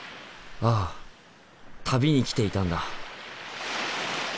ああ旅に来ていたんだ。